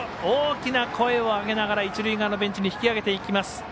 大きな声を上げながら一塁側のベンチに引き上げていきます。